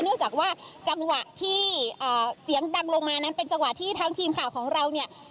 เนื่องจากว่าจังหวะที่เสียงดังลงมานั้นเป็นจังหวะที่ทางทีมข่าวของเราเนี่ย